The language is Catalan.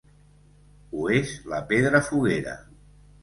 Ho és la pedra foguera.